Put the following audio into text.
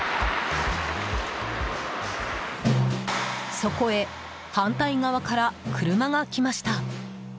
そこへ反対側から車が来ました。